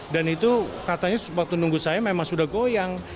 dan itu katanya waktu nunggu saya memang sudah goyang